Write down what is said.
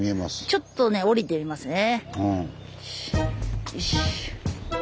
ちょっとね下りてみますね。